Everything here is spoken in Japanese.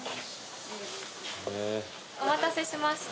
お待たせしました。